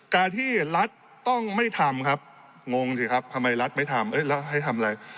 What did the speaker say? การที่รัฐต้องไม่ทำครับงงสิครับทำไมรัฐไม่ทำแล้วให้ทำอะไร